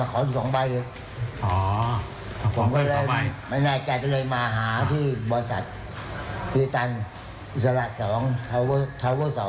คือจังอิสรศัพท์๒